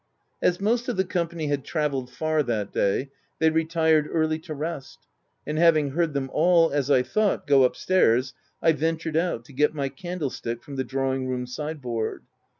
As most of the company had travelled far that day, they retired early to rest ; and having heard them all, as I thought, go up stairs, I ventured out, to get my candlestick from the drawing room side board.